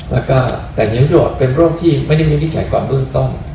แล้วก็แต่เหนียวโยชน์เป็นโรคที่ไม่ได้มีนิจฉัยกว่าเมื่อต้น